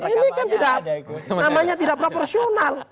ini kan tidak proporsional